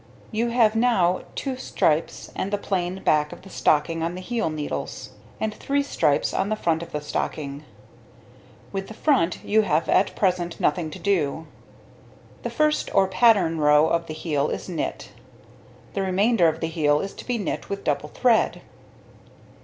You have now 2 stripes and the plain back of the stocking on the heel needles, and 3 stripes on the front of the stocking; with the front you have at present nothing to do. The first or pattern row of the heel is knit; the remainder of the heel is to be knit with double thread.